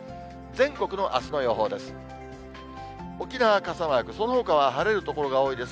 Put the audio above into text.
全国のあすの予報です。